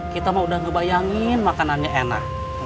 kita mah udah ngebayangin makanannya enak